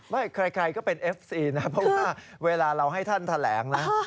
ใครก็เป็นเอฟซีนะเพราะว่าเวลาเราให้ท่านแถลงนะ